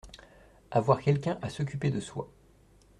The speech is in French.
Avoir quelqu’un à s’occuper de soi.